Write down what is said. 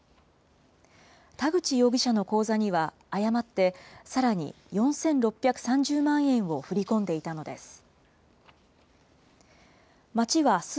田口容疑者の口座には、誤ってさらに４６３０万円を振り込んでいたのです。